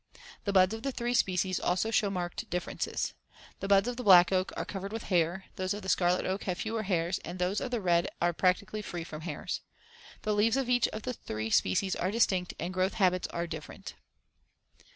The buds of the three species also show marked differences. The buds of the black oak are covered with hairs, those of the scarlet oak have fewer hairs and those of the red are practically free from hairs. The leaves of each of the three species are distinct and the growth habits are different.